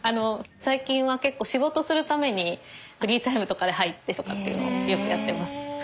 最近は結構仕事するためにフリータイムとかで入ってとかっていうのをよくやってます。